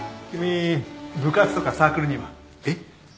君部活とかサークルには？えっ？